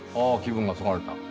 ああ気分がそがれた。